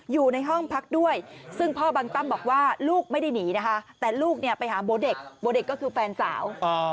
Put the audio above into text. อยู่ในห้องพักด้วยซึ่งพ่อบังตั้มบอกว่าลูกไม่ได้หนีนะคะแต่ลูกเนี่ยไปหาโบเด็กโบเด็กก็คือแฟนสาว